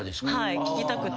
聞きたくて。